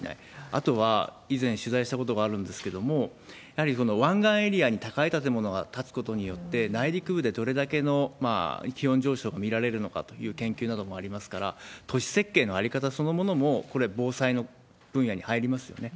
あとは、以前取材したことがあるんですけれども、やはり湾岸エリアに高い建物が建つことによって、内陸部でどれだけの気温上昇が見られるのかという研究などもありますから、都市設計の在り方そのものも、これ、防災の分野に入りますよね。